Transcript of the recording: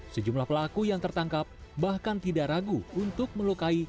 sejumlah pelaku yang tertangkap bahkan tidak ragu untuk melukai